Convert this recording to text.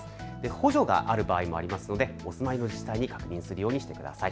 補助もある場合もあるのでお住まいの自治体に確認するようにしてください。